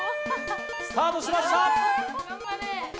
スタートしました！